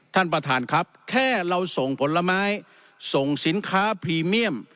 ท่านประธานครับแค่เราส่งผลไม้ส่งสินค้าพรีเมียม